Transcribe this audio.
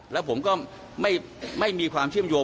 แล้วผมก็ไม่มีความเชื่อมโยง